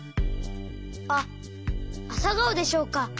あっあさがおでしょうか。